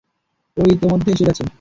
ও ইতোমধ্যে এসে গেছে।